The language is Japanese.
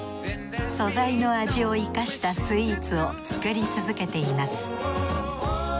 素材の味を生かしたスイーツを作り続けています。